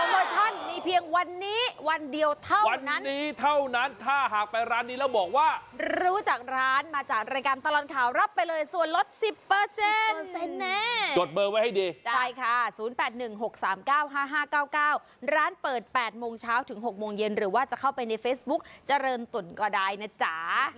วันนี้มีแค่วันนี้วันเดียวเท่านั้นแล้วเจอกันที่ร้านเจริญตุ๋นค่ะ